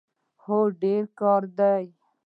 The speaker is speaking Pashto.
هو، ډیر کار دی